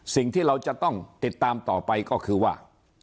สิ่งที่เราจะต้องติดตามต่อไปก็คือว่า